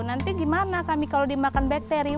nanti gimana kami kalau dimakan bakteri